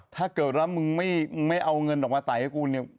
ถ้าเกิดละมึงไม่เอาเงินออกมาไตกูเนี่ย